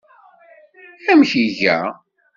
Amek iga?